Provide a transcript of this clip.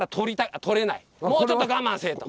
もうちょっと我慢せえと。